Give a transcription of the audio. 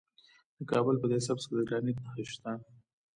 د کابل په ده سبز کې د ګرانیټ نښې شته.